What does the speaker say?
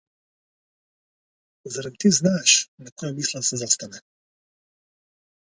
Зарем ти знаеш на која мисла да се застане!